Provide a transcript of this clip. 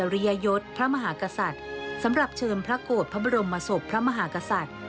ริยยศพระมหากษัตริย์สำหรับเชิญพระโกรธพระบรมศพพระมหากษัตริย์